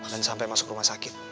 dan sampai masuk rumah sakit